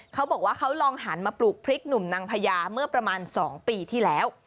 เขาบอกว่าเขาลองหันมาปลูกพริกหนุ่มนางพญาเมื่อประมาณ๒ปีที่แล้ว